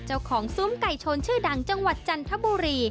เจ้าของทรุนศูมิ์ไก่ชนชื่อดังจังหวัดจันทบูรี